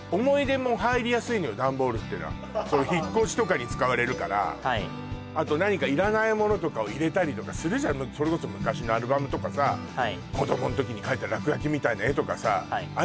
うんダンボールっていうのはその引っ越しとかに使われるからはいあと何かいらないものとかを入れたりとかするじゃんそれこそ昔のアルバムとかさはい子どもん時に描いた落書きみたいな絵とかさあ